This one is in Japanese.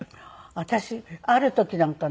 私ある時なんかね